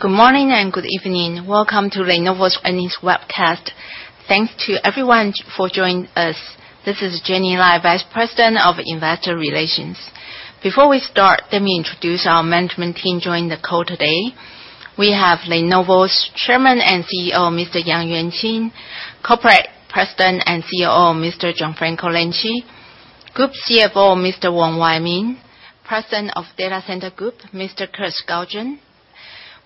Good morning and good evening. Welcome to Lenovo's earnings webcast. Thanks to everyone for joining us. This is Jenny Lai, Vice President of Investor Relations. Before we start, let me introduce our management team joining the call today. We have Lenovo's Chairman and CEO, Mr. Yang Yuanqing, Corporate President and COO, Mr. Gianfranco Lanci, Group CFO, Mr. Wong Wai Ming, President of Data Center Group, Mr. Kirk Skaugen.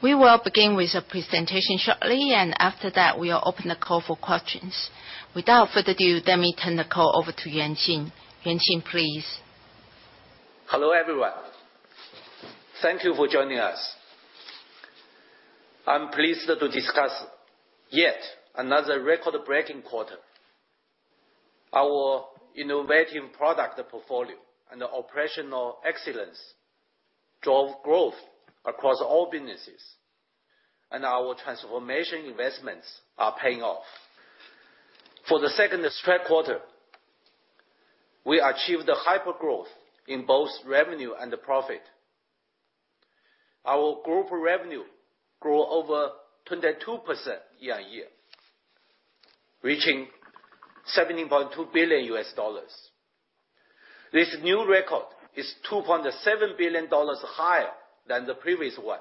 We will begin with a presentation shortly, and after that, we'll open the call for questions. Without further ado, let me turn the call over to Yuanqing. Yuanqing, please. Hello, everyone. Thank you for joining us. I'm pleased to discuss yet another record-breaking quarter. Our innovative product portfolio and operational excellence drove growth across all businesses, and our transformation investments are paying off. For the second straight quarter, we achieved a hyper-growth in both revenue and profit. Our group revenue grew over 22% year-on-year, reaching $17.2 billion. This new record is $2.7 billion higher than the previous one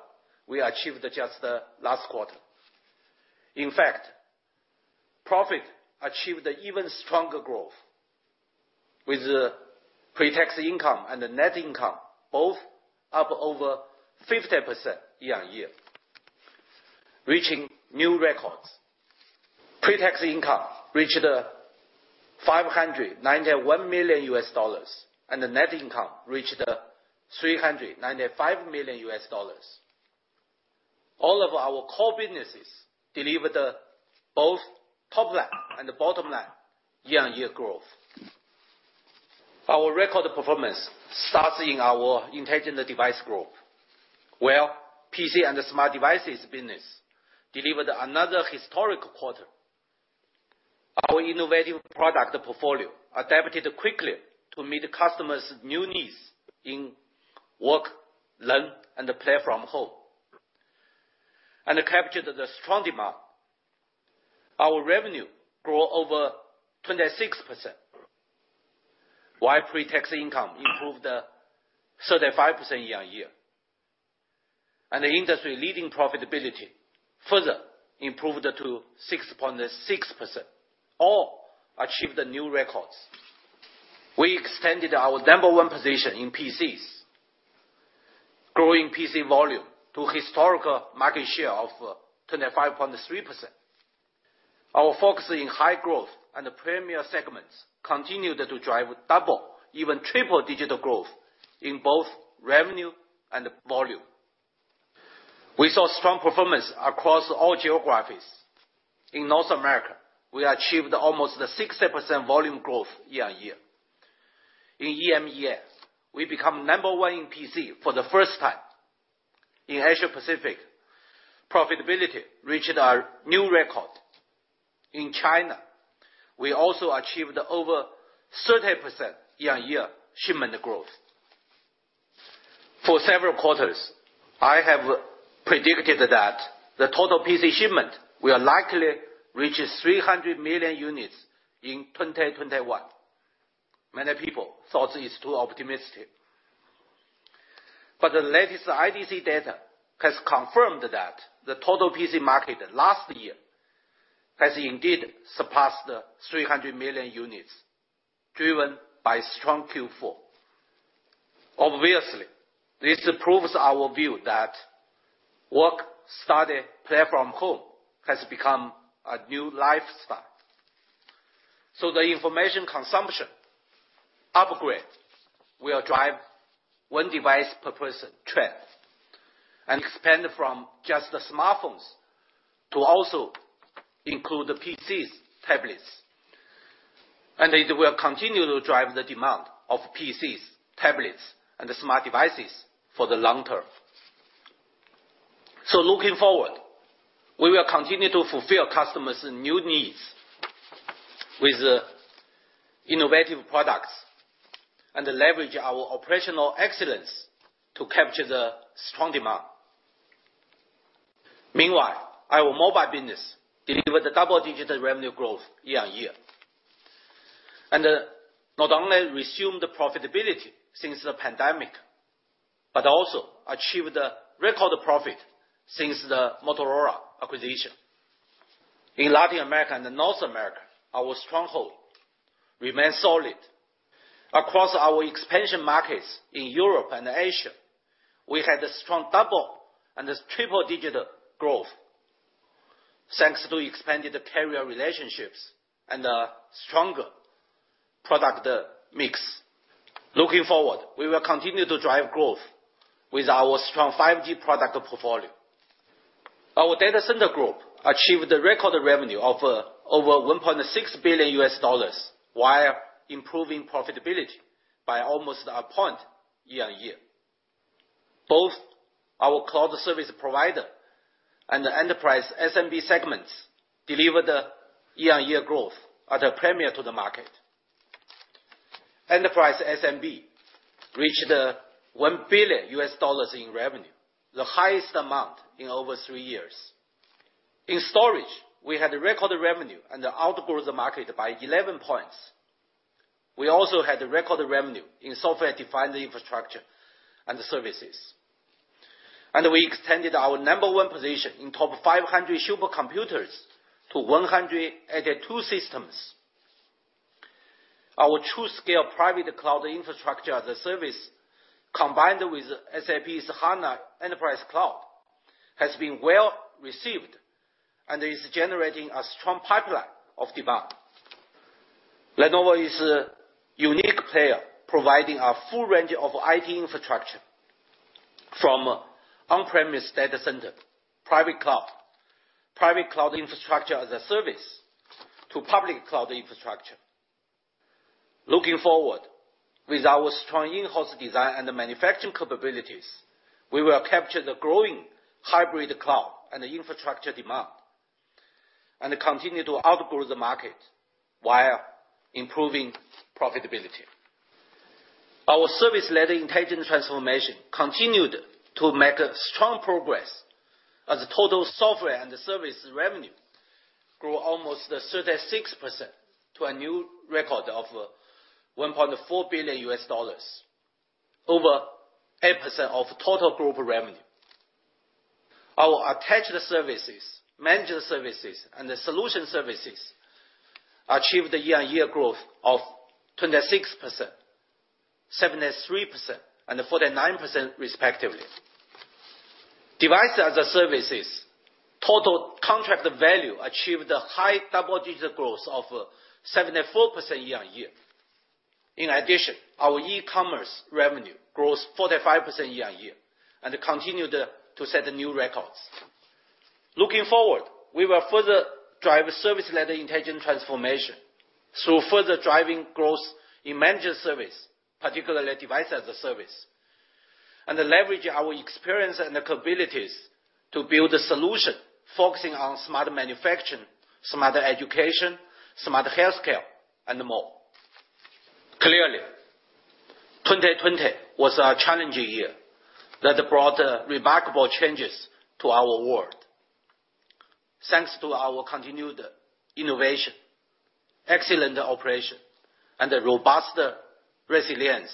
we achieved just last quarter. In fact, profit achieved even stronger growth, with pre-tax income and net income both up over 50% year-on-year, reaching new records. Pre-tax income reached $591 million, and net income reached $395 million. All of our core businesses delivered both top-line and bottom-line year-on-year growth. Our record performance starts in our Intelligent Devices Group, where PC and the smart devices business delivered another historic quarter. Our innovative product portfolio adapted quickly to meet customers' new needs in work, learn, and play from home, and captured the strong demand. Our revenue grew over 26%, while pre-tax income improved 35% year-on-year, and the industry-leading profitability further improved to 6.6%, all achieved new records. We extended our number one position in PCs, growing PC volume to historical market share of 25.3%. Our focus in high growth and premier segments continued to drive double, even triple-digit growth, in both revenue and volume. We saw strong performance across all geographies. In North America, we achieved almost 60% volume growth year-on-year. In EMEA, we became number one in PC for the first time. In Asia Pacific, profitability reached a new record. In China, we also achieved over 30% year-on-year shipment growth. For several quarters, I have predicted that the total PC shipment will likely reach 300 million units in 2021. Many people thought it's too optimistic. The latest IDC data has confirmed that the total PC market last year has indeed surpassed 300 million units, driven by strong Q4. Obviously, this proves our view that work, study, play from home has become a new lifestyle. The information consumption upgrade will drive one device per person trend, and expand from just the smartphones to also include PCs, tablets, and it will continue to drive the demand of PCs, tablets, and smart devices for the long term. Looking forward, we will continue to fulfill customers' new needs with innovative products, and leverage our operational excellence to capture the strong demand. Meanwhile, our Mobile business delivered a double-digit revenue growth year-on-year, and not only resumed profitability since the pandemic, but also achieved a record profit since the Motorola acquisition. In Latin America and North America, our stronghold remains solid. Across our expansion markets in Europe and Asia, we had a strong double and triple-digit growth thanks to expanded carrier relationships and a stronger product mix. Looking forward, we will continue to drive growth with our strong 5G product portfolio. Our Data Center Group achieved a record revenue of over $1.6 billion, while improving profitability by almost a point year-on-year. Both our Cloud Service Provider and the Enterprise SMB segments delivered a year-on-year growth at a premier to the market. Enterprise SMB reached $1 billion in revenue, the highest amount in over three years. In storage, we had record revenue and outgrew the market by 11 points. We also had record revenue in software-defined infrastructure and services. We extended our number one position in TOP500 supercomputers to 182 systems. Our TruScale private cloud infrastructure as a service, combined with SAP's HANA Enterprise Cloud, has been well-received and is generating a strong pipeline of demand. Lenovo is a unique player, providing a full range of IT infrastructure. From on-premise data center, private cloud, private cloud infrastructure as a service, to public cloud infrastructure. Looking forward, with our strong in-house design and manufacturing capabilities, we will capture the growing hybrid cloud and the infrastructure demand, and continue to outgrow the market while improving profitability. Our service-led intelligent transformation continued to make strong progress, as total software and service revenue grew almost 36% to a new record of $1.4 billion, over 8% of total group revenue. Our attached services, managed services, and the solution services, achieved a year-on-year growth of 26%, 73%, and 49% respectively. Device as a Service total contract value achieved a high double-digit growth of 74% year-on-year. In addition, our e-commerce revenue grows 45% year-on-year, and continued to set new records. Looking forward, we will further drive service-led intelligent transformation through further driving growth in managed service, particularly Device as a Service. Leverage our experience and the capabilities to build a solution focusing on smart manufacturing, smart education, smart healthcare, and more. Clearly, 2020 was a challenging year that brought remarkable changes to our world. Thanks to our continued innovation, excellent operation, and a robust resilience,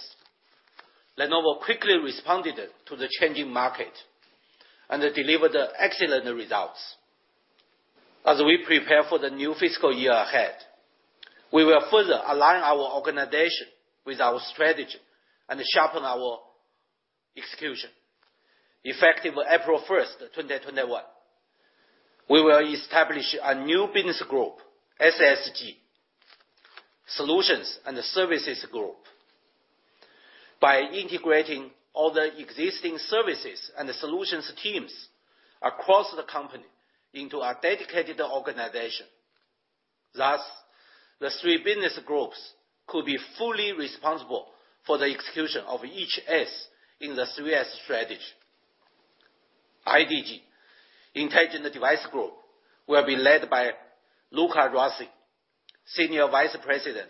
Lenovo quickly responded to the changing market and delivered excellent results. As we prepare for the new fiscal year ahead, we will further align our organization with our strategy and sharpen our execution. Effective April 1st, 2021, we will establish a new business group, SSG, Solutions & Services Group, by integrating all the existing services and solutions teams across the company into a dedicated organization. Thus, the three business groups could be fully responsible for the execution of each S in the three S strategy. IDG, Intelligent Devices Group, will be led by Luca Rossi, Senior Vice President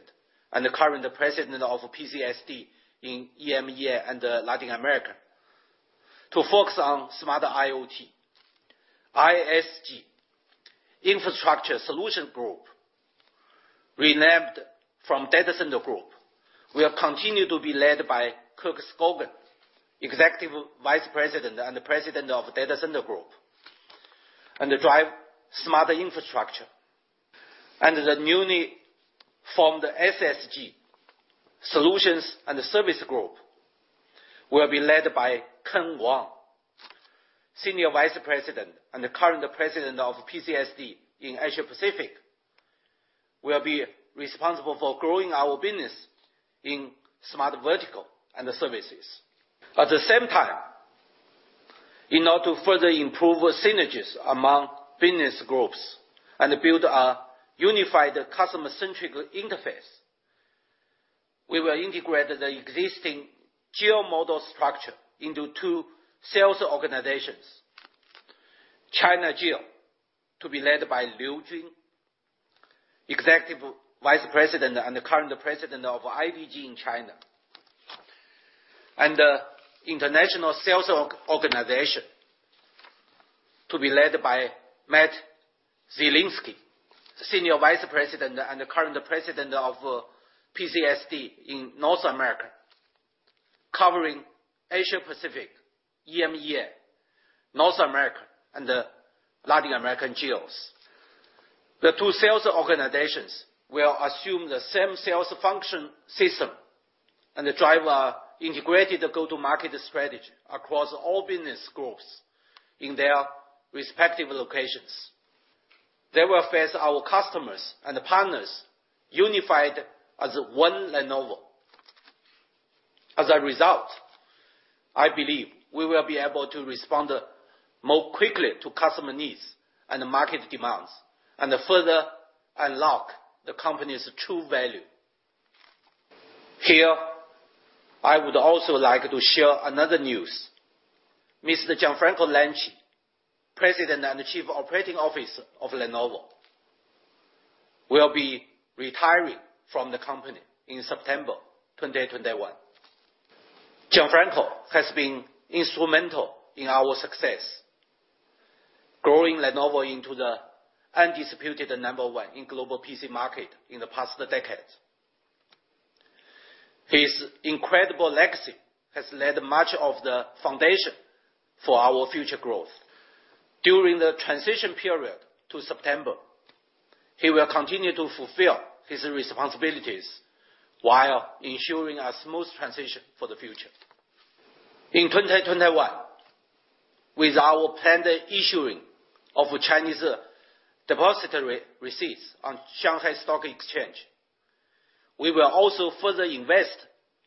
and the current President of PCSD in EMEA and Latin America, to focus on smarter IoT. ISG, Infrastructure Solutions Group, renamed from Data Center Group, will continue to be led by Kirk Skaugen, Executive Vice President and the President of Data Center Group, and drive smarter infrastructure. The newly formed SSG, Solutions & Services Group, will be led by Ken Wong, Senior Vice President and the current President of PCSD in Asia Pacific, will be responsible for growing our business in smart vertical and services. At the same time, in order to further improve synergies among business groups and build a unified customer-centric interface, we will integrate the existing geo-model structure into two sales organizations. China Geo, to be led by Liu Jun, Executive Vice President and the current President of IDG in China. International Sales Organization, to be led by Matt Zielinski, Senior Vice President and the current President of PCSD in North America, covering Asia Pacific, EMEA, North America, and the Latin American geos. The two sales organizations will assume the same sales function system and drive our integrated go-to-market strategy across all business groups in their respective locations. They will face our customers and partners unified as one Lenovo. As a result, I believe we will be able to respond more quickly to customer needs and market demands, and further unlock the company's true value. Here I would also like to share another news. Mr. Gianfranco Lanci, President and Chief Operating Officer of Lenovo, will be retiring from the company in September 2021. Gianfranco has been instrumental in our success, growing Lenovo into the undisputed number one in global PC market in the past decades. His incredible legacy has laid much of the foundation for our future growth. During the transition period to September, he will continue to fulfill his responsibilities while ensuring a smooth transition for the future. In 2021, with our planned issuing of Chinese depositary receipts on Shanghai Stock Exchange, we will also further invest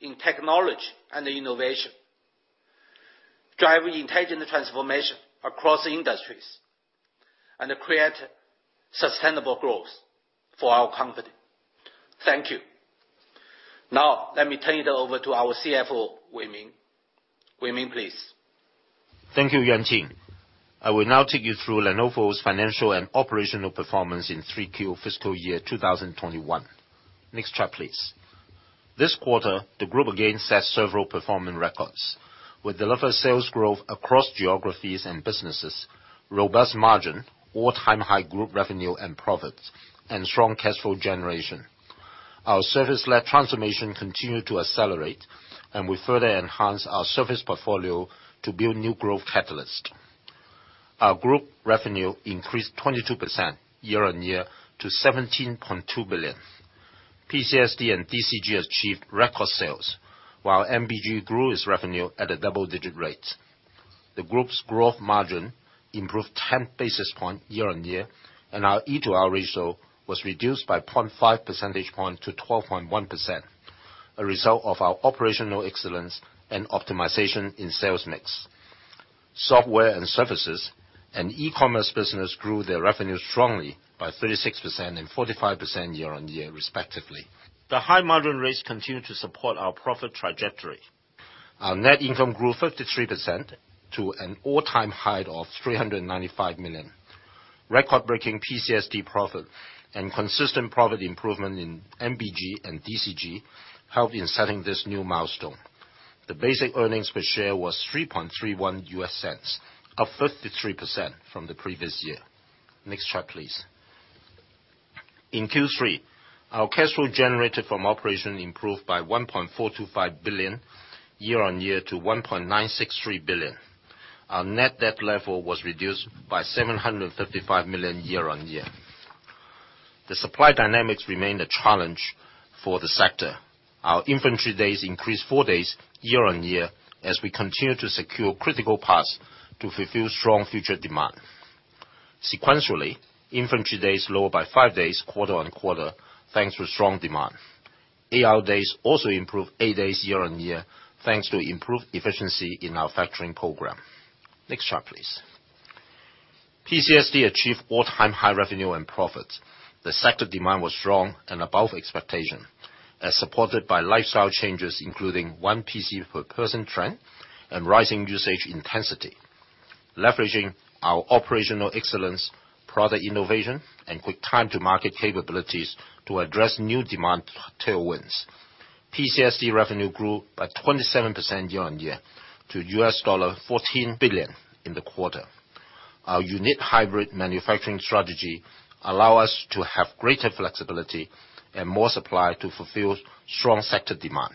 in technology and innovation, drive intelligent transformation across industries, and create sustainable growth for our company. Thank you. Now, let me turn it over to our CFO, Wai Ming. Wai Ming, please. Thank you, Yuanqing. I will now take you through Lenovo's financial and operational performance in Q3 fiscal year 2021. Next chart, please. This quarter, the group again set several performance records. We deliver sales growth across geographies and businesses, robust margin, all-time high group revenue and profits, and strong cash flow generation. Our service-led transformation continued to accelerate, and we further enhanced our service portfolio to build new growth catalyst. Our group revenue increased 22% year-on-year to $17.2 billion. PCSD and DCG achieved record sales, while MBG grew its revenue at a double-digit rate. The group's growth margin improved 10 basis point year-on-year, and our E/R ratio was reduced by 0.5 percentage point to 12.1%, a result of our operational excellence and optimization in sales mix. Software and Services and E-commerce business grew their revenue strongly by 36% and 45% year-on-year respectively. The high-margin rates continued to support our profit trajectory. Our net income grew 53% to an all-time high of $395 million. Record-breaking PCSD profit and consistent profit improvement in MBG and DCG helped in setting this new milestone. The basic earnings per share was $0.0331, up 53% from the previous year. Next chart, please. In Q3, our cash flow generated from operation improved by $1.425 billion year-on-year to $1.963 billion. Our net debt level was reduced by $755 million year-on-year. The supply dynamics remained a challenge for the sector. Our inventory days increased four days year-on-year as we continue to secure critical paths to fulfill strong future demand. Sequentially, inventory days lowered by five days quarter-on-quarter, thanks to strong demand. AR days also improved eight days year-on-year, thanks to improved efficiency in our factoring program. Next chart, please. PCSD achieved all-time high revenue and profits. The sector demand was strong and above expectation as supported by lifestyle changes, including one PC per person trend and rising usage intensity. Leveraging our operational excellence, product innovation, and quick time to market capabilities to address new demand tailwinds. PCSD revenue grew by 27% year-on-year to $14 billion in the quarter. Our unit hybrid manufacturing strategy allow us to have greater flexibility and more supply to fulfill strong sector demand.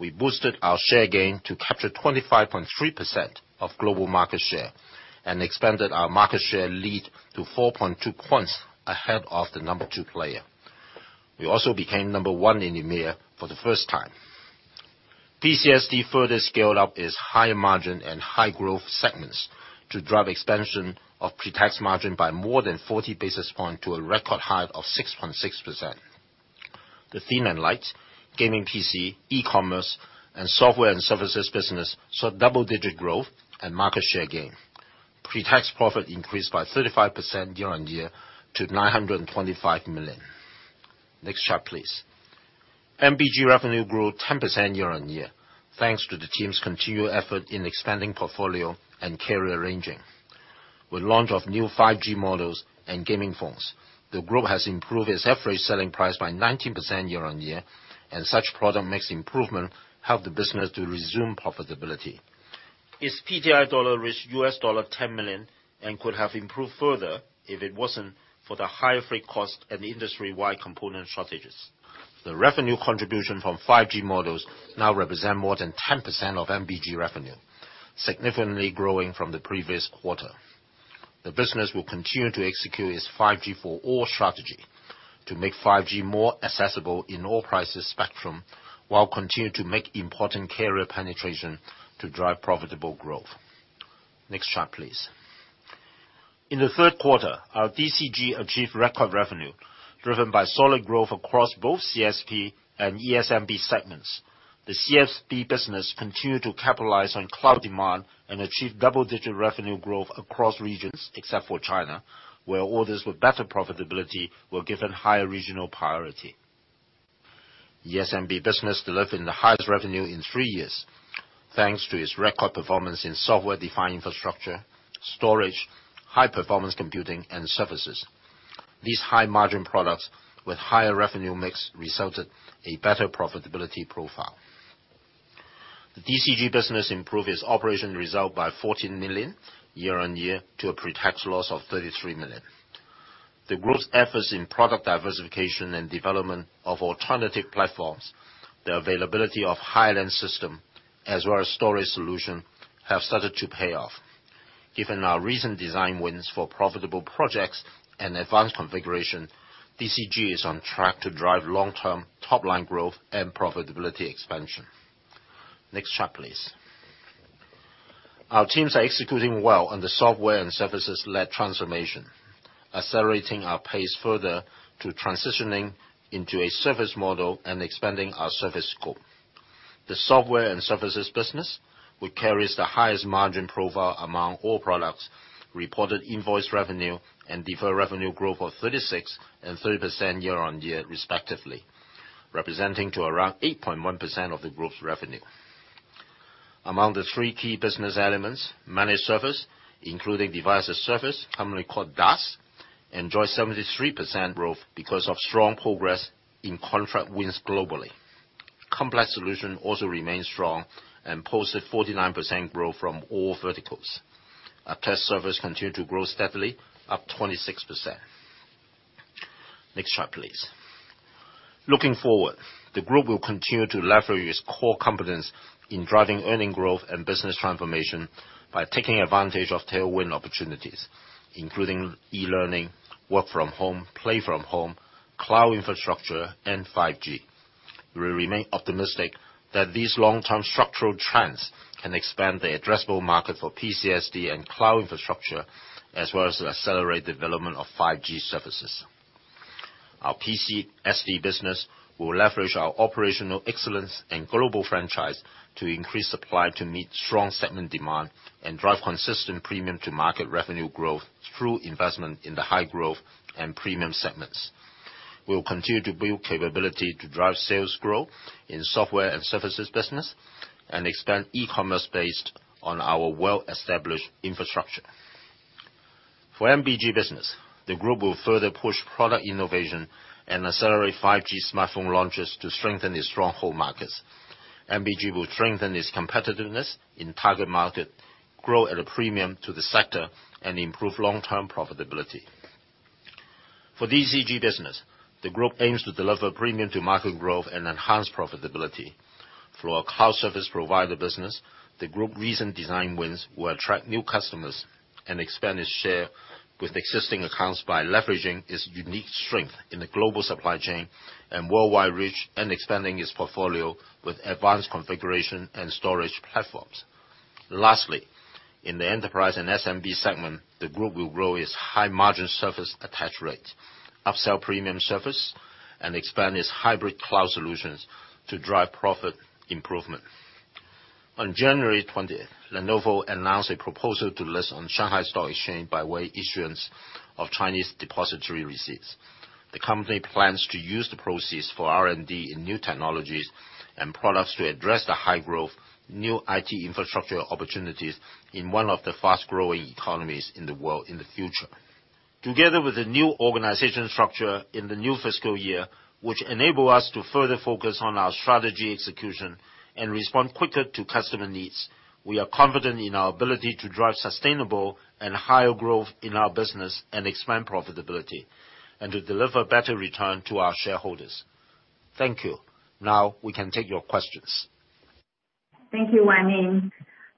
We boosted our share gain to capture 25.3% of global market share and expanded our market share lead to 4.2 points ahead of the number two player. We also became number one in EMEA for the first time. PCSD further scaled up its higher margin and high growth segments to drive expansion of pre-tax margin by more than 40 basis points to a record high of 6.6%. The thin and light gaming PC, E-commerce, and Software and Services business saw double-digit growth and market share gain. Pre-tax profit increased by 35% year-on-year to $925 million. Next chart, please. MBG revenue grew 10% year-on-year, thanks to the team's continued effort in expanding portfolio and carrier ranging. With launch of new 5G models and gaming phones, the group has improved its average selling price by 19% year-on-year, and such product mix improvement helped the business to resume profitability. Its PTI dollar reached $10 million and could have improved further if it wasn't for the higher freight cost and industry-wide component shortages. The revenue contribution from 5G models now represent more than 10% of MBG revenue, significantly growing from the previous quarter. The business will continue to execute its 5G for all strategy to make 5G more accessible in all prices spectrum, while continue to make important carrier penetration to drive profitable growth. Next chart, please. In the third quarter, our DCG achieved record revenue, driven by solid growth across both CSP and ESMB segments. The CSP business continued to capitalize on cloud demand and achieve double-digit revenue growth across regions, except for China, where orders with better profitability were given higher regional priority. The SMB business delivered the highest revenue in three years, thanks to its record performance in Software-defined infrastructure, storage, High-Performance Computing, and services. These high-margin products with higher revenue mix resulted in a better profitability profile. The DCG business improved its operation result by $14 million year-on-year to a pretax loss of $33 million. The group's efforts in product diversification and development of alternative platforms, the availability of Highland system, as well as storage solution, have started to pay off. Given our recent design wins for profitable projects and advanced configuration, DCG is on track to drive long-term top-line growth and profitability expansion. Next chart, please. Our teams are executing well on the software and services led transformation, accelerating our pace further to transitioning into a service model and expanding our service scope. The Software and Services business, which carries the highest margin profile among all products, reported invoice revenue and deferred revenue growth of 36% and 30% year-over-year respectively, representing to around 8.1% of the group's revenue. Among the three key business elements, managed service, including Device as a Service, commonly called DaaS, enjoyed 73% growth because of strong progress in contract wins globally. Complex solutions also remain strong and posted 49% growth from all verticals. Our test service continued to grow steadily, up 26%. Next chart, please. Looking forward, the group will continue to leverage its core competence in driving earning growth and business transformation by taking advantage of tailwind opportunities, including e-learning, work from home, play from home, cloud infrastructure, and 5G. We remain optimistic that these long-term structural trends can expand the addressable market for PCSD and cloud infrastructure, as well as accelerate development of 5G services. Our PCSD business will leverage our operational excellence and global franchise to increase supply to meet strong segment demand and drive consistent premium to market revenue growth through investment in the high-growth and premium segments. We will continue to build capability to drive sales growth in Software and Services business and expand E-commerce based on our well-established infrastructure. For MBG business, the group will further push product innovation and accelerate 5G smartphone launches to strengthen its stronghold markets. MBG will strengthen its competitiveness in target market, grow at a premium to the sector, and improve long-term profitability. For DCG business, the group aims to deliver premium to market growth and enhance profitability. Through our Cloud Service Provider business, the group recent design wins will attract new customers and expand its share with existing accounts by leveraging its unique strength in the global supply chain and worldwide reach and expanding its portfolio with advanced configuration and storage platforms. Lastly, in the enterprise and SMB segment, the group will grow its high-margin service attach rate, upsell premium service, and expand its hybrid cloud solutions to drive profit improvement. On January 20th, Lenovo announced a proposal to list on Shanghai Stock Exchange by way issuance of Chinese depository receipts. The company plans to use the proceeds for R&D in new technologies and products to address the high-growth, new IT infrastructure opportunities in one of the fast-growing economies in the world in the future. Together with the new organizational structure in the new fiscal year, which enable us to further focus on our strategy execution and respond quicker to customer needs, we are confident in our ability to drive sustainable and higher growth in our business and expand profitability, and to deliver better return to our shareholders. Thank you. Now we can take your questions. Thank you, Wai Ming.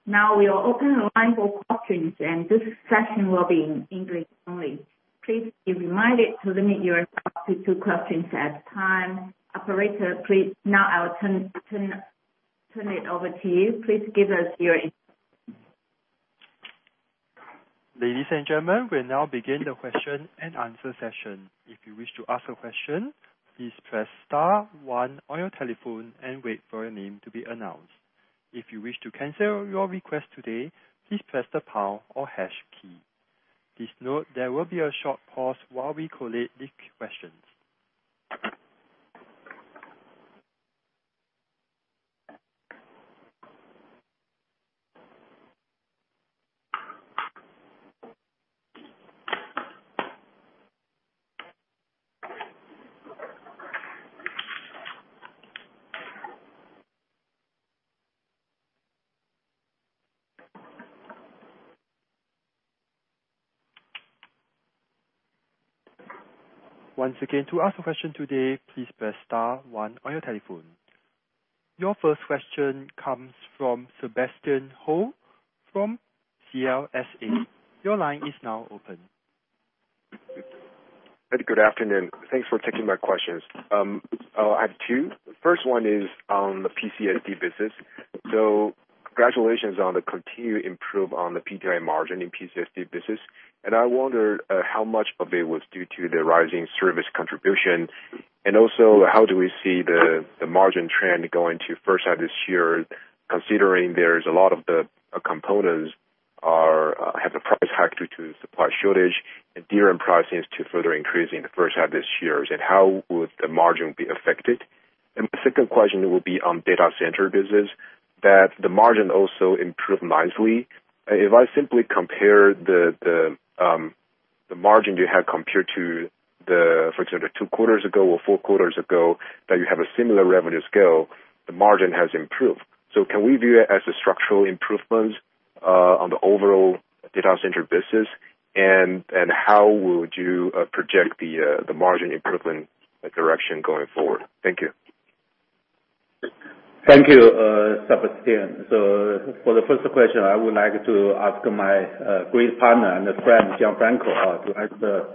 Now we are open the line for questions. This session will be in English only. Please be reminded to limit yourself to two questions at a time. Operator, please. Now I will turn it over to you. Ladies and gentlemen, we now begin the Q&A session. If you wish to ask a question, please press star one on your telephone and wait for your name to be announced. If you wish to cancel your request today, please press the pound or hash key. Please note there will be a short pause while we collate the questions. Once again, to ask a question today, please press star one on your telephone. Your first question comes from Sebastian Hou from CLSA. Your line is now open. Good afternoon. Thanks for taking my questions. I have two. The first one is on the PCSD business. Congratulations on the continued improve on the PTI margin in PCSD business, and I wonder how much of it was due to the rising service contribution, and also how do we see the margin trend going to first half this year, considering there is a lot of the components have a price hike due to supply shortage and DRAM prices to further increase in the first half this year. How would the margin be affected? My second question will be on Data Center business, that the margin also improved nicely. If I simply compare the margin you have compared to the, for example, two quarters ago or four quarters ago, that you have a similar revenue scale, the margin has improved. Can we view it as a structural improvement on the overall Data Center business and how would you project the margin improvement direction going forward? Thank you. Thank you, Sebastian. For the first question, I would like to ask my great partner and friend, Gianfranco, to answer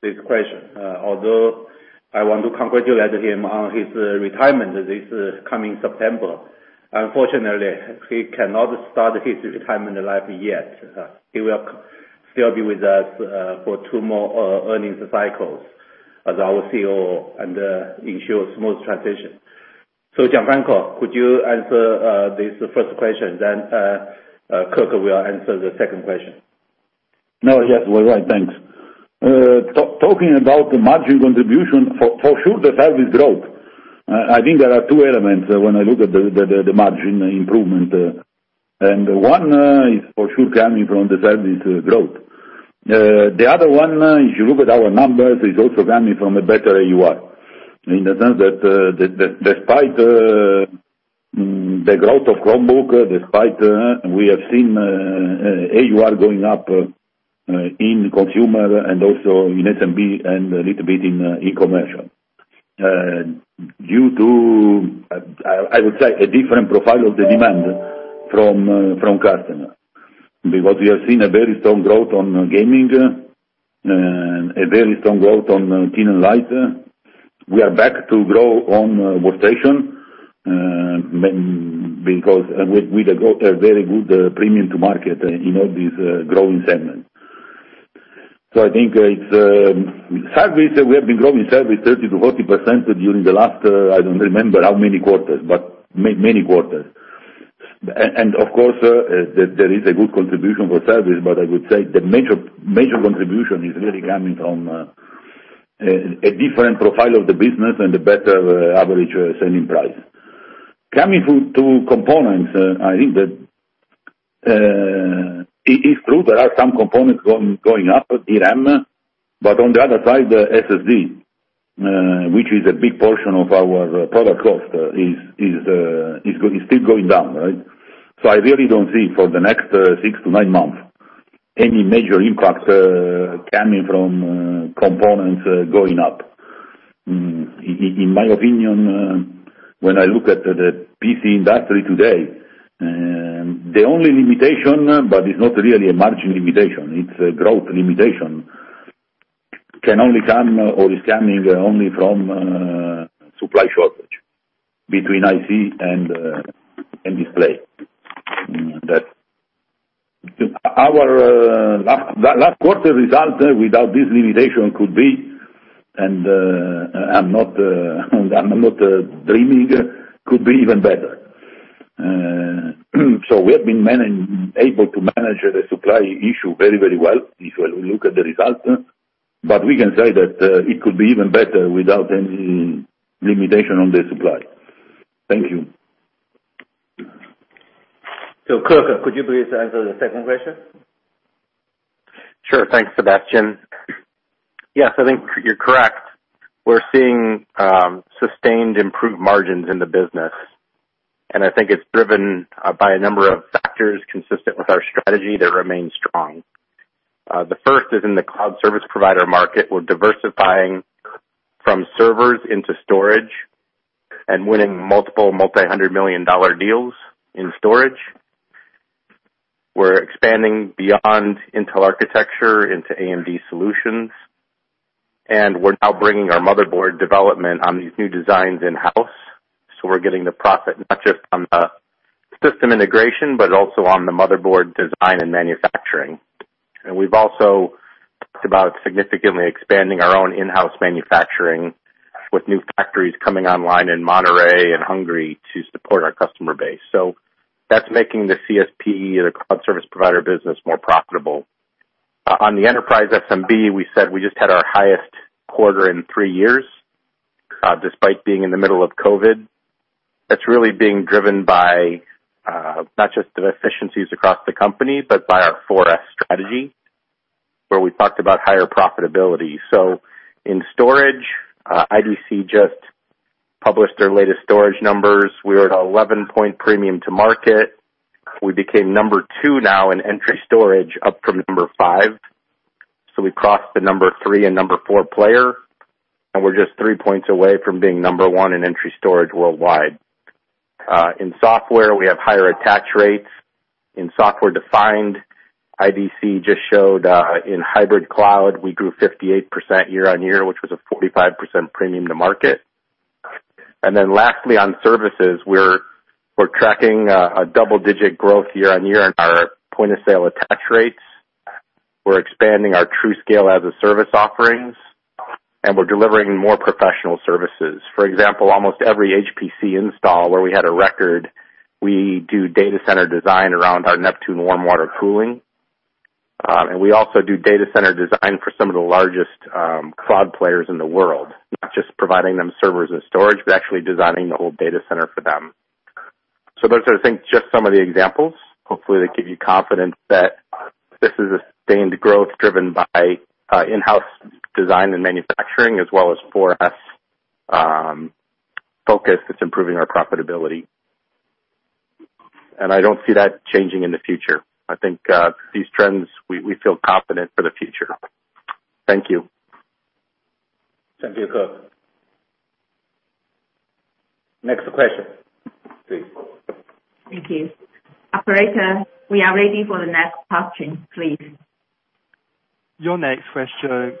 this question. Although I want to congratulate him on his retirement this coming September. Unfortunately, he cannot start his retirement life yet. He will still be with us for two more earnings cycles as our COO and ensure smooth transition. Gianfranco, could you answer this first question, then Kirk will answer the second question. No, yes. Well, right, thanks. Talking about the margin contribution, for sure the service growth. I think there are two elements when I look at the margin improvement, one is for sure coming from the service growth. The other one, if you look at our numbers, is also coming from a better AUR. In the sense that despite the growth of Chromebook, despite we have seen AUR going up in consumer and also in SMB and a little bit in e-commerce due to, I would say, a different profile of the demand from customer. We have seen a very strong growth on gaming and a very strong growth on thin and light. We are back to growth on workstation, with a very good premium to market in all these growing segments. I think service, we have been growing service 30% to 40% during the last, I don't remember how many quarters, but many quarters. Of course, there is a good contribution for service, but I would say the major contribution is really coming from a different profile of the business and a better average selling price. Coming to components, I think that it is true there are some components going up, DRAM, but on the other side, the SSD, which is a big portion of our product cost, is still going down, right? I really don't see for the next six to nine months any major impact coming from components going up. In my opinion, when I look at the PC industry today, the only limitation, but it's not really a margin limitation, it's a growth limitation, can only come or is coming only from supply shortage between IC and display. Our last quarter result without this limitation could be, and I'm not dreaming, could be even better. We have been able to manage the supply issue very well, if you look at the results. We can say that it could be even better without any limitation on the supply. Thank you. Kirk, could you please answer the second question? Sure. Thanks, Sebastian. I think you're correct. We're seeing sustained improved margins in the business, and I think it's driven by a number of factors consistent with our strategy that remains strong. The first is in the Cloud Service Provider market, we're diversifying from servers into storage and winning multiple multi-hundred million dollar deals in storage. We're expanding beyond Intel architecture into AMD solutions, and we're now bringing our motherboard development on these new designs in-house. We're getting the profit not just on the system integration, but also on the motherboard design and manufacturing. We've also talked about significantly expanding our own in-house manufacturing with new factories coming online in Monterrey and Hungary to support our customer base. That's making the CSP, the Cloud Service Provider business, more profitable. On the enterprise SMB, we said we just had our highest quarter in three years, despite being in the middle of COVID. That's really being driven by not just the efficiencies across the company, but by our 4S strategy, where we talked about higher profitability. In storage, IDC just published their latest storage numbers. We are at 11-point premium to market. We became number two now in entry storage up from number five. We crossed the number three and number four player, and we're just three points away from being number one in entry storage worldwide. In software, we have higher attach rates. In software defined, IDC just showed in hybrid cloud, we grew 58% year-on-year, which was a 45% premium to market. Lastly, on services, we're tracking a double-digit growth year-on-year in our point of sale attach rates. We're expanding our TruScale as a service offerings, and we're delivering more professional services. For example, almost every HPC install where we had a record, we do data center design around our Neptune warm water cooling. We also do data center design for some of the largest cloud players in the world. Not just providing them servers and storage, but actually designing the whole data center for them. Those are, I think, just some of the examples. Hopefully, they give you confidence that this is a sustained growth driven by in-house design and manufacturing as well as for us, focus is improving our profitability. I don't see that changing in the future. I think, these trends, we feel confident for the future. Thank you. Thank you, Kirk. Next question, please. Thank you. Operator, we are ready for the next question, please. Your next question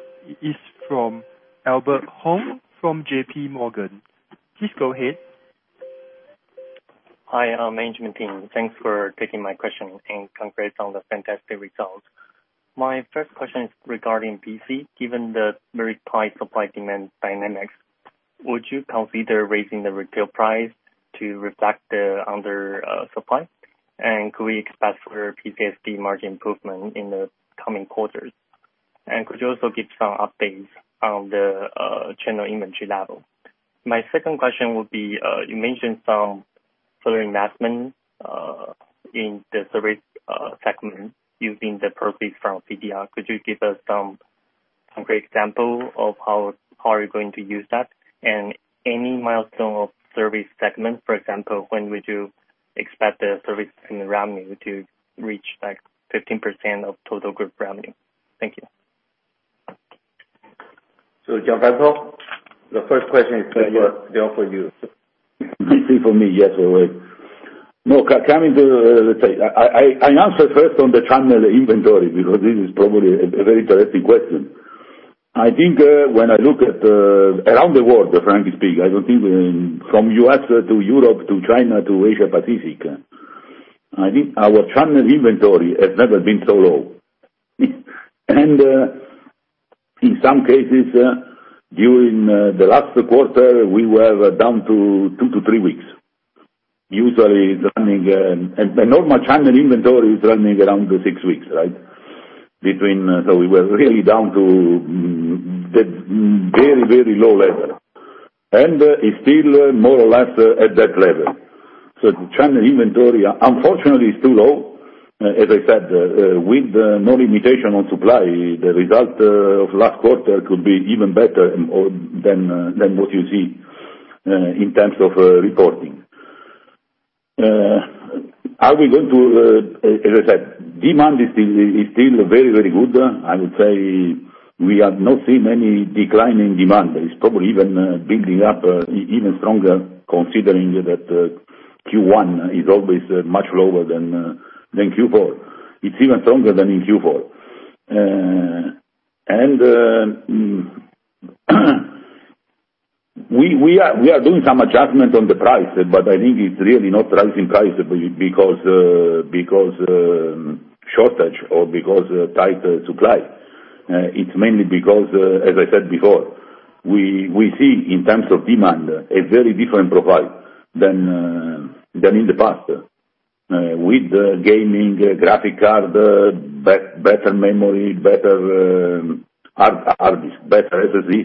is from Albert Hung from JPMorgan. Please go ahead. Hi, management team. Thanks for taking my question, and congrats on the fantastic results. My first question is regarding PC. Given the very tight supply-demand dynamics, would you consider raising the retail price to reflect the under-supply? Could we expect for PCSD margin improvement in the coming quarters? Could you also give some updates on the channel inventory level? My second question would be, you mentioned some further investment in the service segment using the profits from CDR. Could you give us some concrete example of how are you going to use that? Any milestone of service segment, for example, when would you expect the service segment revenue to reach 15% of total group revenue? Thank you. Gianfranco, the first question is for you. It's for me. Yes, all right. Coming to the, I answer first on the channel inventory because this is probably a very interesting question. I think when I look at around the world, frankly speaking, I don't think from U.S. to Europe to China to Asia Pacific, I think our channel inventory has never been so low. In some cases, during the last quarter, we were down to two to three weeks. Usually a normal channel inventory is running around six weeks, right? We were really down to very, very low level. It's still more or less at that level. The channel inventory, unfortunately, is too low. As I said, with no limitation on supply, the result of last quarter could be even better than what you see, in terms of reporting. As I said, demand is still very, very good. I would say we have not seen any decline in demand. It's probably even building up even stronger considering that Q1 is always much lower than Q4. It's even stronger than in Q4. We are doing some adjustment on the price, but I think it's really not raising price because shortage or because tight supply. It's mainly because, as I said before, we see in terms of demand, a very different profile than in the past with gaming, graphic card, better memory, better SSD,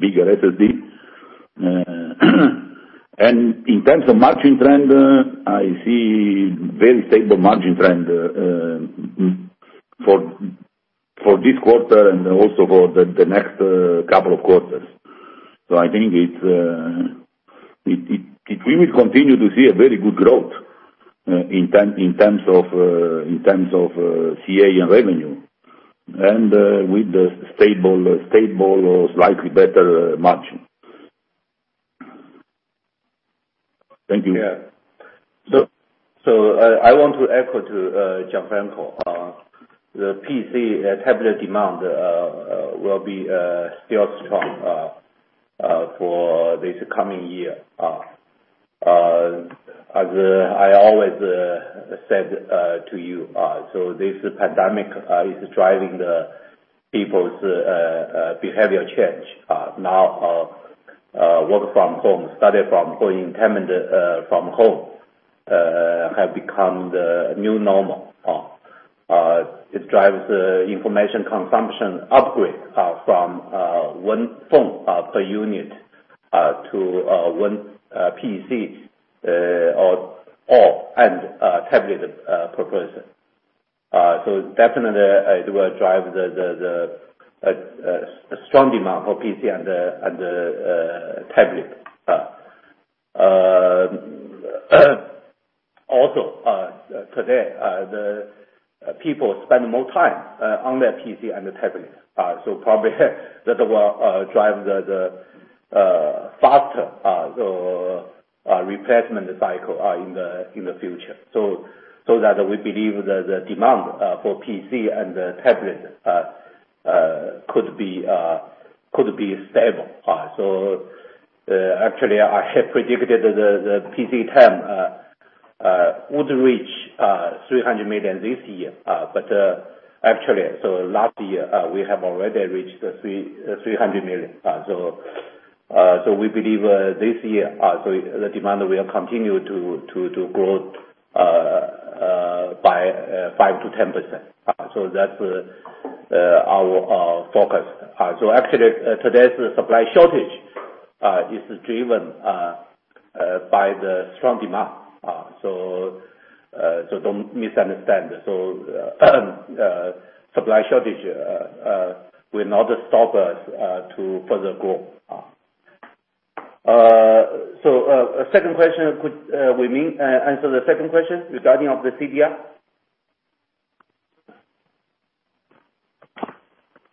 bigger SSD. In terms of margin trend, I see very stable margin trend for this quarter and also for the next couple of quarters. I think we will continue to see a very good growth, in terms of CA and revenue and with stable or slightly better margin. Thank you. Yeah. I want to echo to Gianfranco, the PC tablet demand will be still strong for this coming year. As I always said to you, so this pandemic is driving the people's behavior change. Now, work from home, study from home, entertainment from home, have become the new normal. It drives the information consumption upgrade from one phone per unit to one PC or, and tablet per person. Definitely it will drive a strong demand for PC and tablet. Also today, the people spend more time on their PC and the tablet. Probably that will drive the faster replacement cycle in the future. That we believe the demand for PC and the tablet could be stable. Actually, I have predicted the PC TAM would reach 300 million this year. Actually, last year, we have already reached 300 million. We believe this year, the demand will continue to grow by 5%-10%. That's our focus. Actually, today's supply shortage is driven by the strong demand. Don't misunderstand. Supply shortage will not stop us to further grow. Wai Ming, answer the second question regarding the CDR?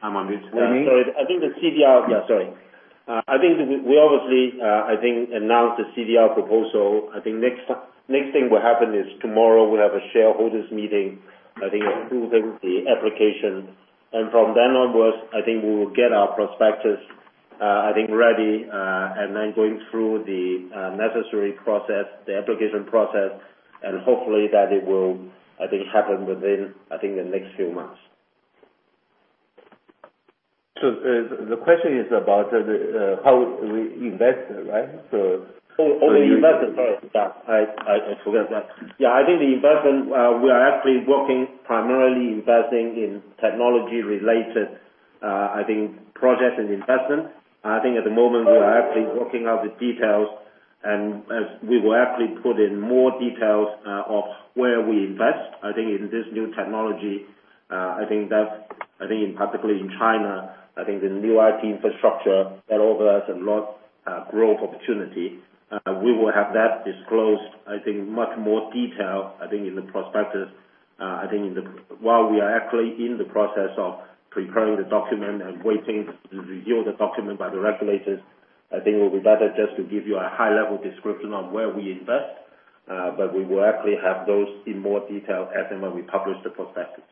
I'm on mute. Sorry. Yeah, sorry. I think we obviously announced the CDR proposal. I think next thing will happen is tomorrow we'll have a shareholders meeting, I think approving the application. From then onwards, I think we will get our prospectus, I think, ready, and then going through the necessary process, the application process, and hopefully that it will, I think, happen within, I think the next few months. The question is about how we invest, right? Oh, the investment. Sorry. Yeah. I forgot that. Yeah, I think the investment, we are actually working primarily investing in technology related, I think, projects and investment. I think at the moment we are actually working out the details, and as we will actually put in more details of where we invest. I think in this new technology, I think in particularly in China, I think the new IT infrastructure that offers a lot growth opportunity. We will have that disclosed, I think, much more detail, I think in the prospectus. I think while we are actually in the process of preparing the document and waiting to review the document by the regulators, I think it will be better just to give you a high level description on where we invest. We will actually have those in more detail as and when we publish the prospectus.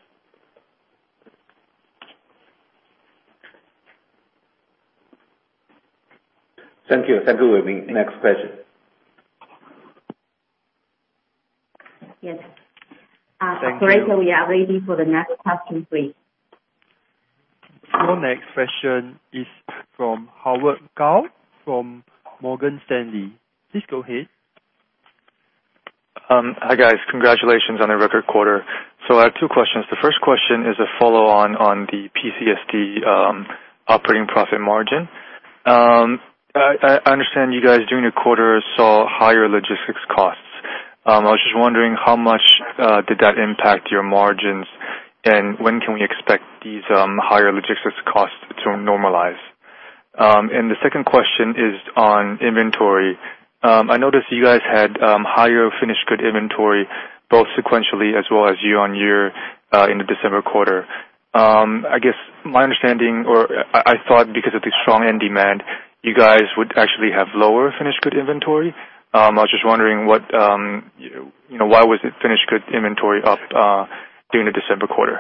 Thank you. Thank you, Wai Ming. Next question. Yes. Operator, we are ready for the next question, please. Your next question is from Howard Kao from Morgan Stanley. Please go ahead. Hi, guys. Congratulations on a record quarter. I have two questions. The first question is a follow on the PCSD operating profit margin. I understand you guys, during the quarter, saw higher logistics costs. I was just wondering how much did that impact your margins, and when can we expect these higher logistics costs to normalize? The second question is on inventory. I noticed you guys had higher finished good inventory, both sequentially as well as year-on-year, in the December quarter. I guess my understanding or I thought because of the strong end demand, you guys would actually have lower finished good inventory. I was just wondering, why was it finished good inventory up during the December quarter?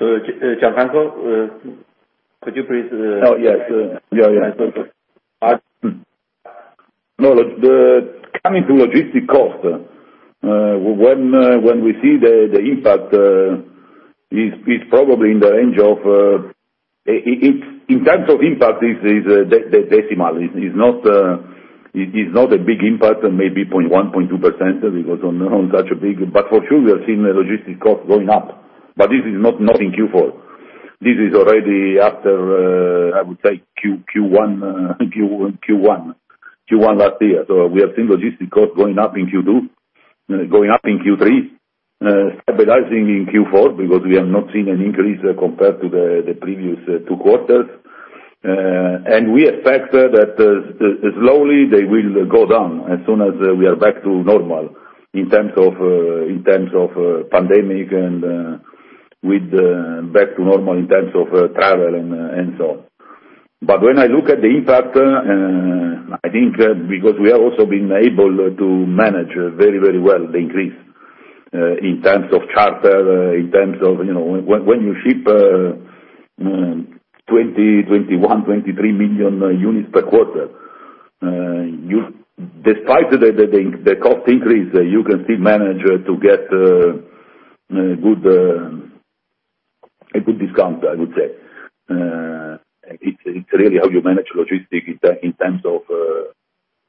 Gianfranco, could you please? Oh, yes. No. Coming to logistic cost, when we see the impact, in terms of impact, it's decimal. It's not a big impact, maybe 0.1%, 0.2% because on such a big for sure, we have seen the logistic cost going up. This is not in Q4. This is already after, I would say Q1 last year. We have seen logistic cost going up in Q2, going up in Q3, stabilizing in Q4 because we have not seen an increase compared to the previous two quarters. We expect that slowly they will go down as soon as we are back to normal in terms of pandemic and with back to normal in terms of travel and so on. When I look at the impact, I think because we have also been able to manage very well the increase, in terms of charter, in terms of when you ship 20, 21, 23 million units per quarter, despite the cost increase, you can still manage to get a good discount, I would say. It's really how you manage logistics in terms of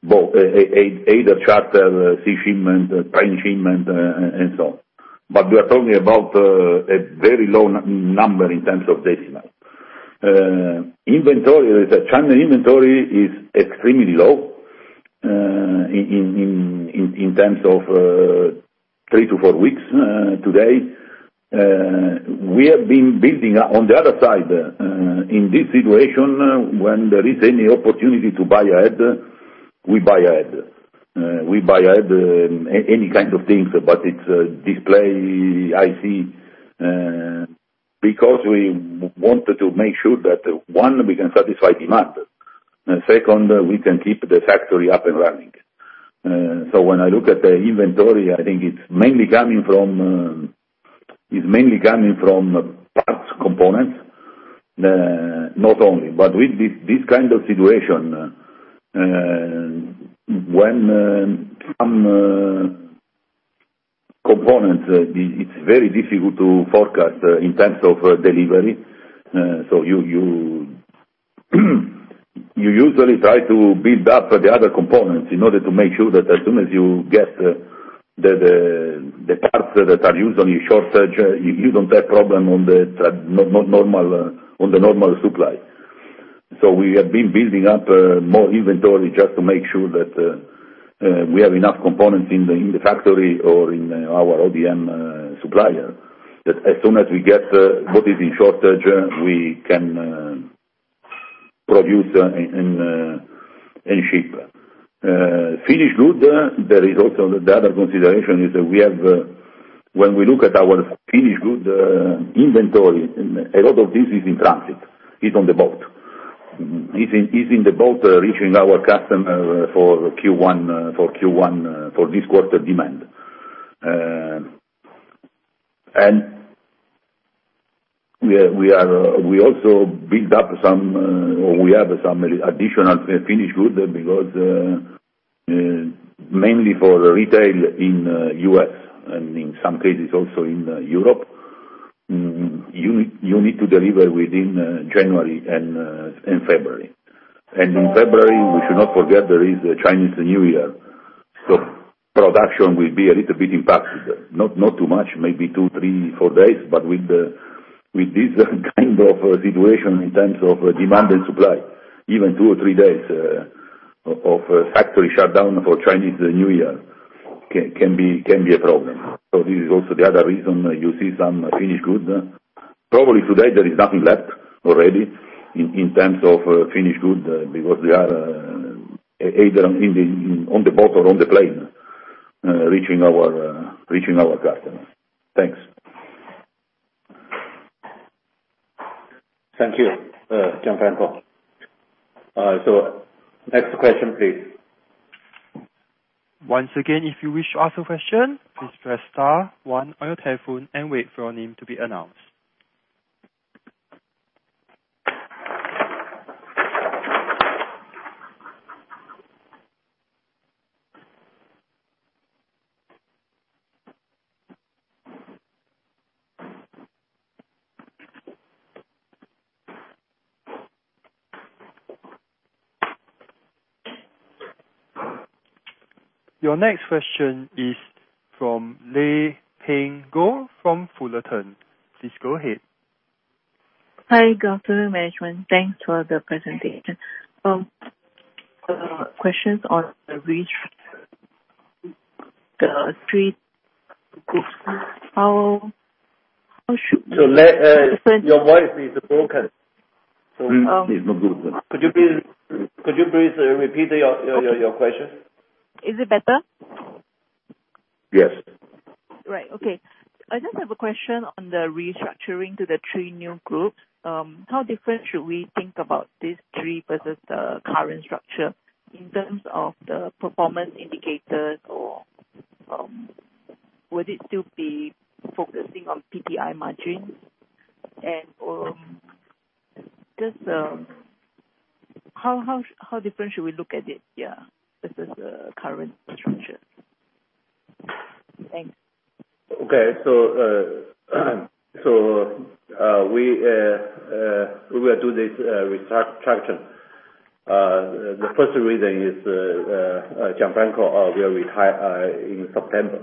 both, either charter, sea shipment, train shipment and so on. You are talking about a very low number in terms of decimal. China inventory is extremely low, in terms of three to four weeks today. We have been building On the other side, in this situation, when there is any opportunity to buy ahead, we buy ahead. We buy ahead any kind of things, but it's display IC, because we wanted to make sure that, one, we can satisfy demand. Second, we can keep the factory up and running. When I look at the inventory, I think it's mainly coming from parts components. Not only, but with this kind of situation, when some components, it's very difficult to forecast in terms of delivery. You usually try to build up the other components in order to make sure that as soon as you get the parts that are used on your shortage, you don't have problem on the normal supply. We have been building up more inventory just to make sure that we have enough components in the factory or in our ODM supplier. As soon as we get what is in shortage, we can produce and ship. Finished good, the other consideration is when we look at our finished goods inventory, a lot of this is in transit, is on the boat. It's in the boat reaching our customer for Q1, for this quarter demand. We also build up some or we have some additional finished goods, because mainly for retail in U.S. and in some cases also in Europe, you need to deliver within January and February. In February, we should not forget there is a Chinese New Year. Production will be a little bit impacted. Not too much, maybe two, three, four days. With this kind of situation in terms of demand and supply, even two or three days of factory shutdown for Chinese New Year can be a problem. This is also the other reason you see some finished goods. Probably today there is nothing left already in terms of finished goods, because we are either on the boat or on the plane, reaching our customers. Thanks. Thank you, Gianfranco. Next question, please. Your next question is from Lei Ping Go from Fullerton. Please go ahead. Hi, good afternoon, management. Thanks for the presentation. Questions on the reach, the three groups. Lei, your voice is broken. It's not good. Could you please repeat your question? Is it better? Yes. Right. Okay. I just have a question on the restructuring to the three new groups. How different should we think about these three versus the current structure in terms of the performance indicators, or would it still be focusing on PTI margins? Just how different should we look at it, yeah, versus the current structure? Thanks. Okay. We will do this restructure. The first reason is, Gianfranco will retire in September.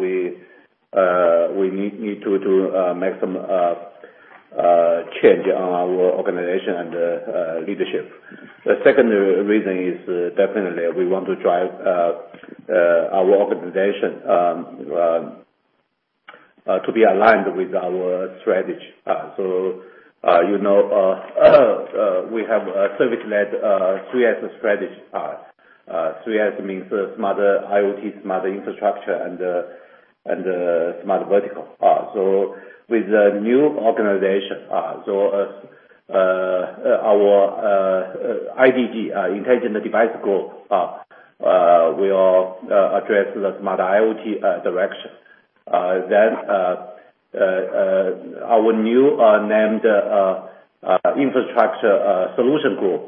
We need to make some change on our organization and leadership. The second reason is, definitely we want to drive our organization to be aligned with our strategy. We have a service-led three S strategy path. Three S means Smarter IoT, Smarter Infrastructure, and Smarter Vertical. With the new organization, our IDG, Intelligent Devices Group, will address the Smarter IoT direction. Our new named Infrastructure Solutions Group,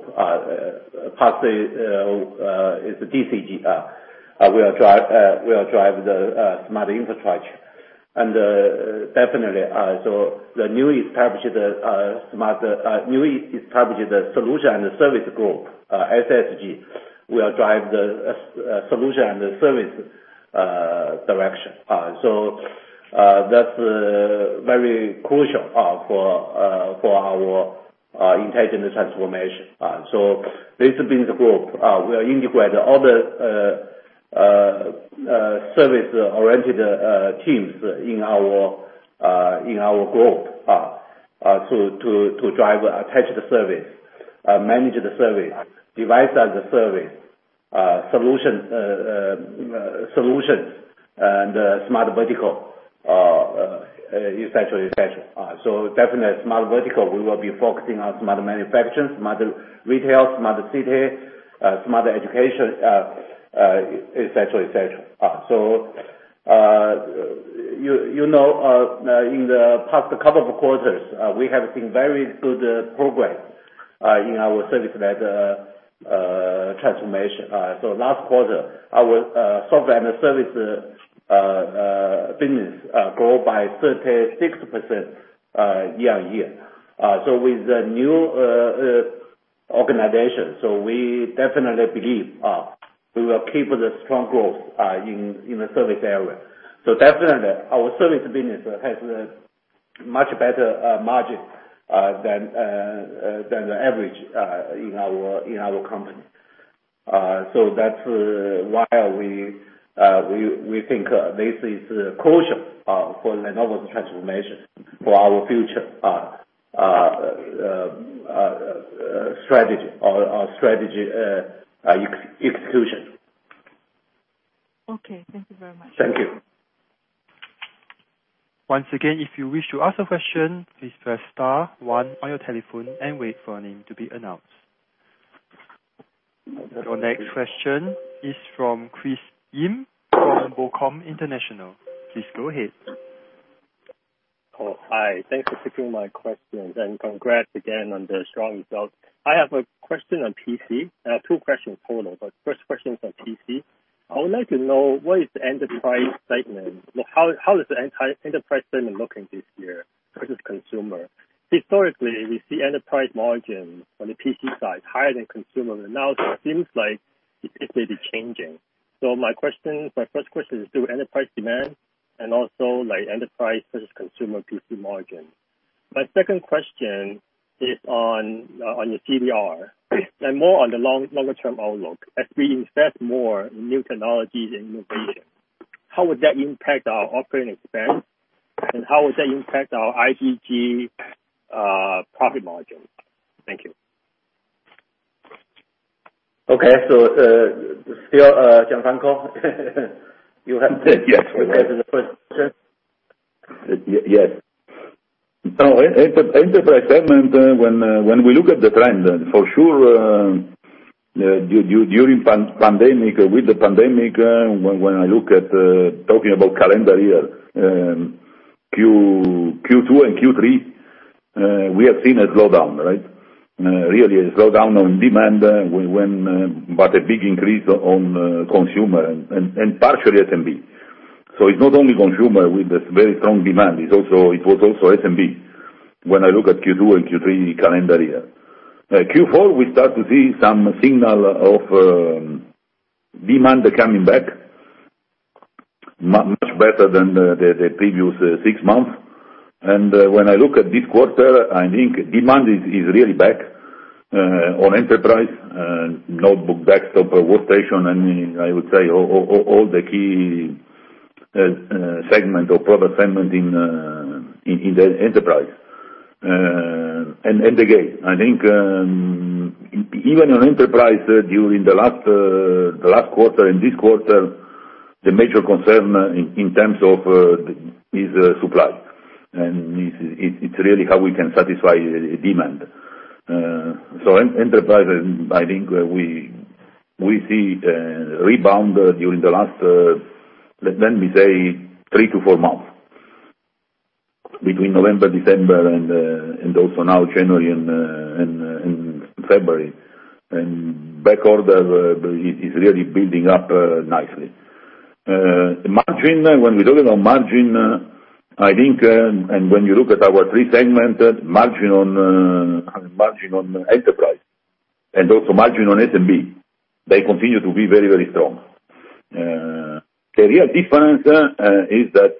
partly is DCG. We will drive the Smarter Infrastructure. Definitely, the newly established Solutions & Services Group, SSG, will drive the solution and the service direction. That's very crucial for our intelligent transformation. This being the group, we are integrating all the service-oriented teams in our group to drive attached service, managed service, Device as a Service solutions and smart vertical, et cetera. Definitely smart vertical, we will be focusing on smart manufacturing, smart retail, smart city, smart education, et cetera. In the past couple of quarters, we have seen very good progress in our service transformation. Last quarter, our Software and Service business grew by 36% year-on-year. With the new organization, we definitely believe we will keep the strong growth in the service area. Definitely our service business has a much better margin than the average in our company. That's why we think this is crucial for Lenovo's transformation for our future strategy execution. Okay, thank you very much. Thank you. Once again, if you wish to ask a question, please press star one on your telephone and wait for your name to be announced. Your next question is from Chris Yim from BOCOM International. Please go ahead. Oh, hi. Thanks for taking my questions. Congrats again on the strong results. I have a question on PC. I have two questions total. First question is on PC. I would like to know, what is the enterprise segment? How is the enterprise segment looking this year versus consumer? Historically, we see enterprise margins on the PC side higher than consumer. Now it seems like it may be changing. My first question is enterprise demand and also enterprise versus consumer PC margin. My second question is on your CDR and more on the longer-term outlook. As we invest more in new technologies and innovation, how would that impact our operating expense? How would that impact our IDG profit margin? Thank you. Okay. Still, Gianfranco. Yes. To answer the first question. Yes. enterprise segment, when we look at the trend, for sure during pandemic, with the pandemic, when I look at talking about calendar year, Q2 and Q3, we have seen a slowdown, right? Really a slowdown on demand, a big increase on consumer and partially SMB. It's not only consumer with a very strong demand, it was also SMB. When I look at Q2 and Q3 calendar year. Q4, we start to see some signal of demand coming back much better than the previous six months. When I look at this quarter, I think demand is really back on enterprise, notebook, desktop, workstation. I would say all the key segment or product segment in the enterprise. Again, I think even on enterprise during the last quarter and this quarter, the major concern in terms of is supply. It's really how we can satisfy demand. Enterprise, I think we see a rebound during the last, let me say three to four months, between November, December and also now January and February. Back order is really building up nicely. Margin, when we're talking on margin, I think, when you look at our three segment margin on enterprise and also margin on SMB, they continue to be very strong. The real difference is that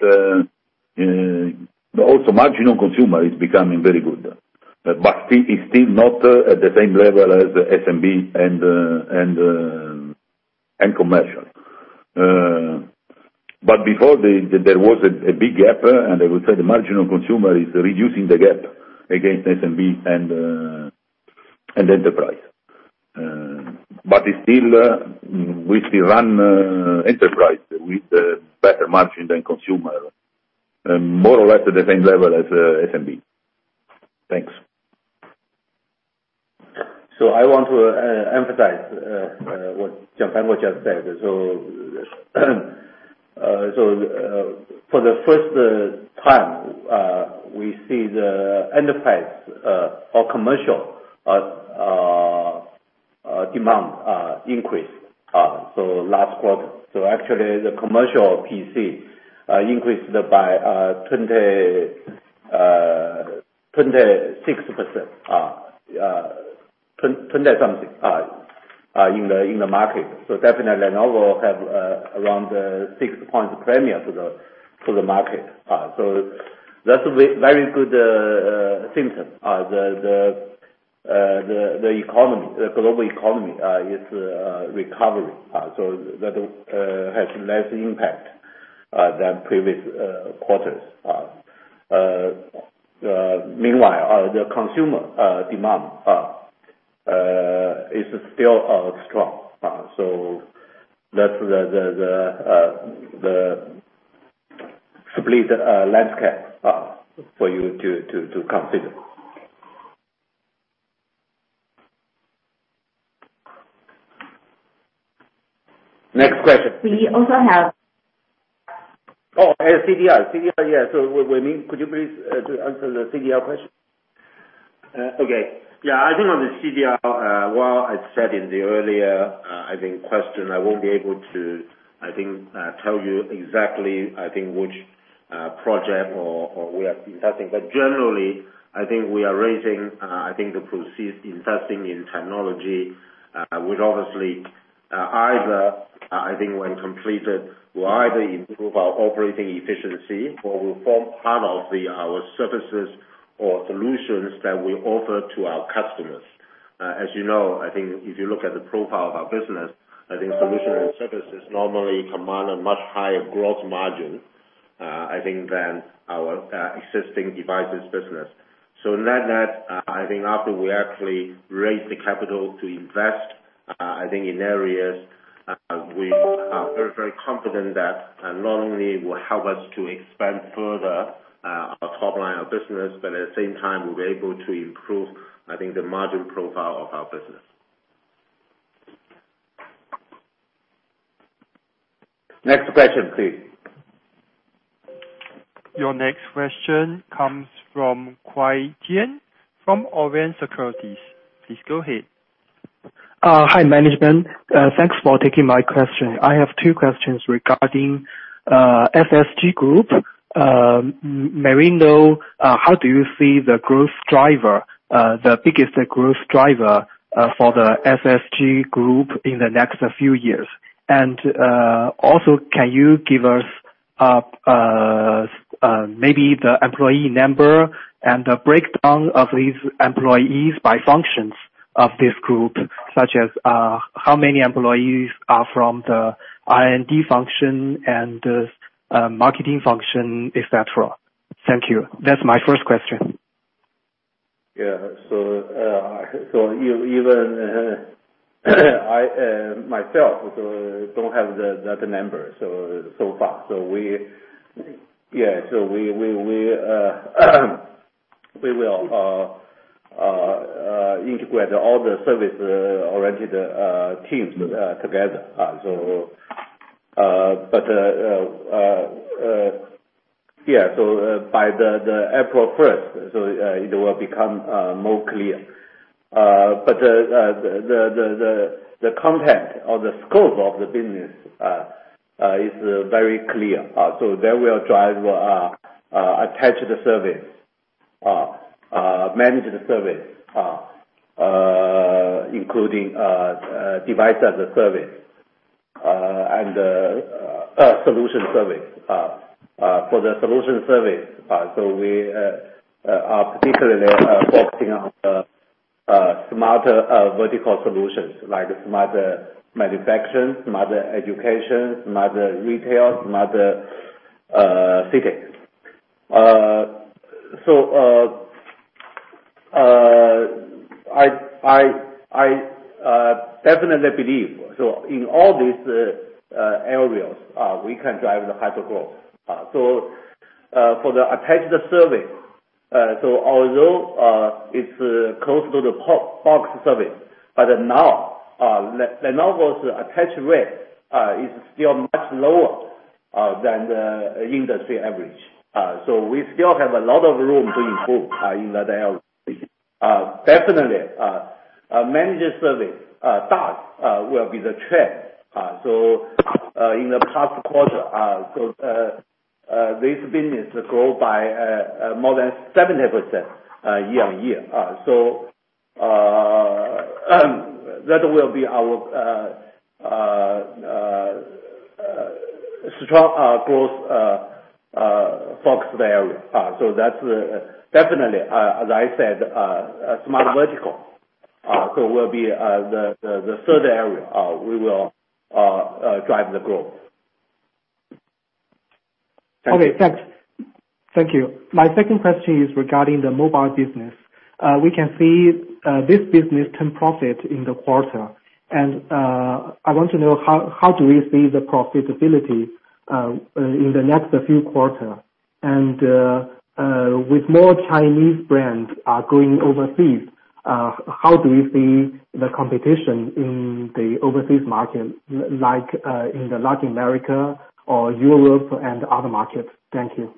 also margin on consumer is becoming very good, but it's still not at the same level as SMB and commercial. Before, there was a big gap, and I would say the margin on consumer is reducing the gap against SMB and enterprise. But we still run enterprise with better margin than consumer, more or less at the same level as SMB. Thanks. I want to emphasize what Gianfranco just said. For the first time, we see the enterprise or commercial demand increase. Last quarter. Actually the commercial PC increased by 26%. 20 something in the market. Definitely Lenovo have around six points premium to the market. That's very good symptom. The global economy is recovering. That has less impact than previous quarters. Meanwhile, the consumer demand is still strong. That's the split landscape for you to consider. Next question. We also have- CDR. Wai Ming, could you please answer the CDR question? Okay. Yeah. I think on the CDR, while I said in the earlier question, I won't be able to tell you exactly which project or where we are investing. Generally, I think we are raising the proceeds investing in technology, which obviously, when completed, will either improve our operating efficiency or will form part of our services or solutions that we offer to our customers. As you know, if you look at the profile of our business, I think solution and services normally command a much higher growth margin than our existing devices business. Net, I think after we actually raise the capital to invest in areas, we are very confident that not only will it help us to expand further our top line, our business, but at the same time we'll be able to improve the margin profile of our business. Next question, please. Your next question comes from Kuai Jian from Orient Securities. Please go ahead. Hi, management. Thanks for taking my question. I have two questions regarding SSG Group. May we know how do you see the biggest growth driver for the SSG Group in the next few years? Also, can you give us maybe the employee number and the breakdown of these employees by functions of this group, such as how many employees are from the R&D function and the marketing function, et cetera? Thank you. That's my first question. Yeah. Myself, don't have that number so far. We will integrate all the service-oriented teams together. By the April 1st it will become more clear. The content or the scope of the business is very clear. They will drive attach the service, manage the service, including Device as a Service, and solution service. For the solution service, we are particularly focusing on smarter vertical solutions like smarter manufacturing, smarter education, smarter retail, smarter cities. I definitely believe, in all these areas, we can drive the hypergrowth. For the attached service, although it's close to the PCSD, but Lenovo's attach rate is still much lower than the industry average. We still have a lot of room to improve in that area. Definitely, managed service, that will be the trend. In the past quarter this business grew by more than 70% year-over-year. That will be our strong growth focused area. That's definitely, as I said, smart vertical will be the third area we will drive the growth. Okay. Thanks. Thank you. My second question is regarding the Mobile business. We can see this business turn profit in the quarter. I want to know how do you see the profitability in the next few quarter? With more Chinese brands are going overseas, how do you see the competition in the overseas market like in the Latin America or Europe and other markets? Thank you.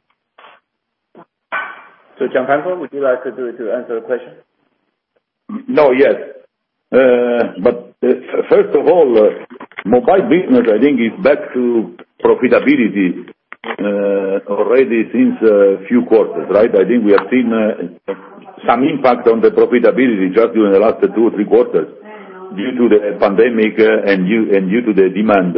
Gianfranco, would you like to answer the question? No. Yes. First of all, Mobile business, I think is back to profitability already since a few quarters, right? I think we have seen some impact on the profitability just during the last two or three quarters due to the pandemic and due to the demand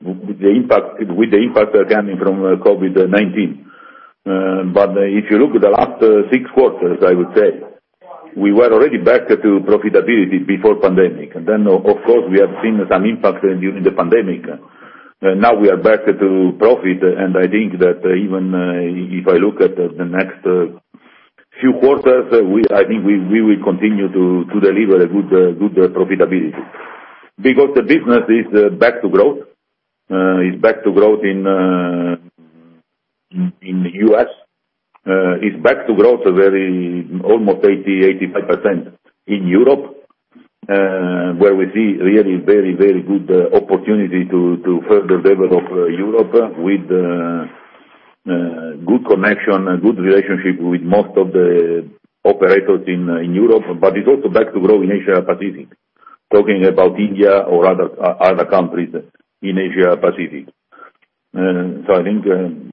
with the impact coming from COVID-19. If you look at the last six quarters, I would say we were already back to profitability before pandemic. Of course, we have seen some impact during the pandemic. Now we are back to profit, and I think that even if I look at the next few quarters, I think we will continue to deliver a good profitability, because the business is back to growth. It's back to growth in the U.S. It's back to growth almost 80%-85% in Europe, where we see really very, very good opportunity to further develop Europe with good connection and good relationship with most of the operators in Europe. It's also back to growth in Asia-Pacific, talking about India or other countries in Asia-Pacific. I think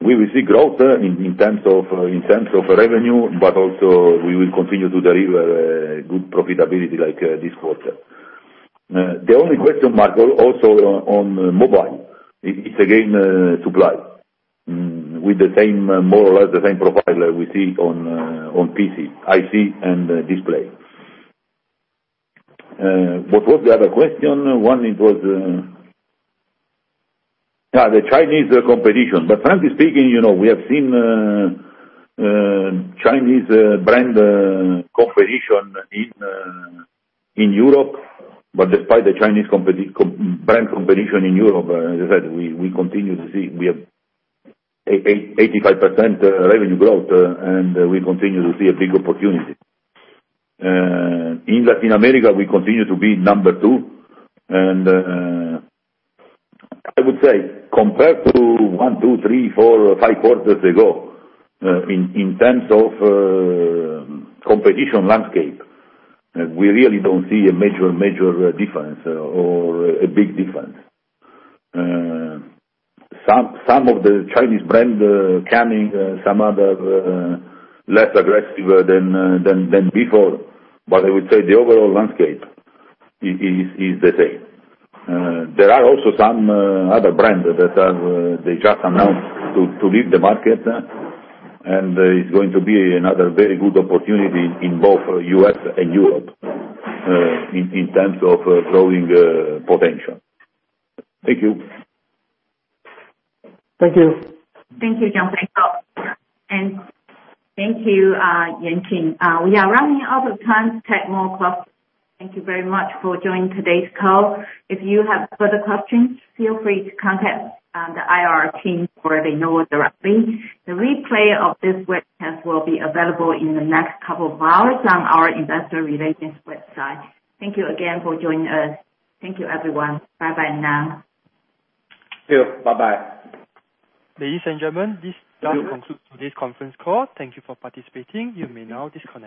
we will see growth in terms of revenue, but also we will continue to deliver good profitability like this quarter. The only question mark, also on mobile, it's again, supply, with more or less the same profile we see on PC, IC, and display. What was the other question? One, it was Yeah, the Chinese competition. Frankly speaking, we have seen Chinese brand competition in Europe, but despite the Chinese brand competition in Europe, as I said, we continue to see, we have 85% revenue growth, and we continue to see a big opportunity. In Latin America, we continue to be number two, and I would say compared to one, two, three, four, five quarters ago, in terms of competition landscape, we really don't see a major difference or a big difference. Some of the Chinese brands coming, some other less aggressive than before, but I would say the overall landscape is the same. There are also some other brands that they just announced to leave the market, and it's going to be another very good opportunity in both U.S. and Europe, in terms of growing potential. Thank you. Thank you. Thank you, Gianfranco, and thank you, Yuanqing. We are running out of time to take more calls. Thank you very much for joining today's call. If you have further questions, feel free to contact the IR team or Lenovo directly. The replay of this webcast will be available in the next couple of hours on our investor relations website. Thank you again for joining us. Thank you, everyone. Bye-bye now. Thank you. Bye-bye. Ladies and gentlemen, this does conclude today's conference call. Thank you for participating. You may now disconnect.